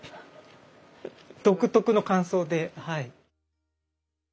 独特の感想ではい。